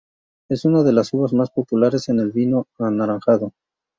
Es una de las uvas más populares en el vino anaranjado.